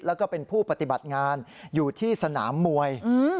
แล้วก็เป็นผู้ปฏิบัติงานอยู่ที่สนามมวย